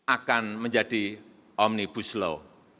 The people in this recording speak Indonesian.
akan menjadi omnibus law